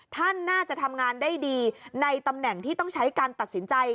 ท่านน่าจะทำงานได้ดีในตำแหน่งที่ต้องใช้การตัดสินใจ